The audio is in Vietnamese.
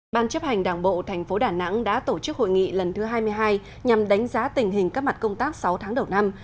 ban chấp hành đảng bộ tp đà nẵng đã tổ chức hội nghị lần thứ hai mươi hai nhằm đánh giá tình hình các mặt công tác sáu tháng đầu năm